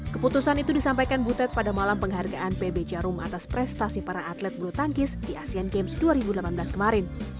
keputusan itu disampaikan butet pada malam penghargaan pb jarum atas prestasi para atlet bulu tangkis di asean games dua ribu delapan belas kemarin